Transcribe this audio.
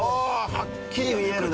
はっきり見えるね。